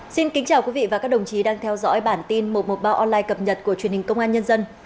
xin kính chào quý vị và các đồng chí đang theo dõi bản tin một trăm một mươi ba online cập nhật của truyền hình công an nhân dân